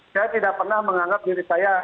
saya tidak pernah menganggap diri saya